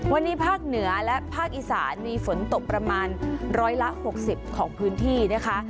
วันนี้ภาคเหนือและภาคอีสานมีฝนตกประมาณร้อยละ๖๐ของพื้นที่นะคะ